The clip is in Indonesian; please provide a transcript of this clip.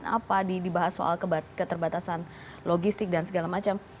apa dibahas soal keterbatasan logistik dan segala macam